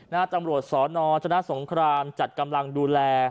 ตำรวจสนชนะสงครามจัดกำลังดูแล